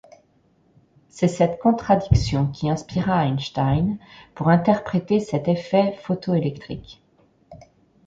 C'est cette contradiction qui inspira Einstein pour interpréter cet effet photoélectrique.